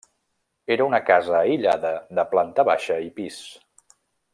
Era una casa aïllada de planta baixa i pis.